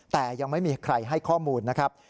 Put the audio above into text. แต่ยังไม่มีใครให้ข้อมูลนะครับ